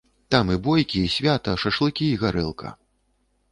Там і бойкі, і свята, шашлыкі і гарэлка.